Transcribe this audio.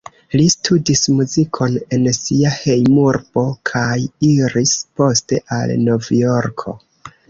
Li studis muzikon en sia hejmurbo kaj iris poste al Novjorko.